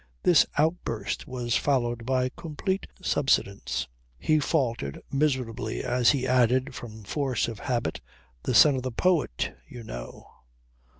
This outburst was followed by complete subsidence. He faltered miserably as he added from force of habit: "The son of the poet, you know."